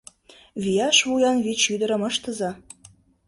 Вияш вуян вич ӱдырым ыштыза.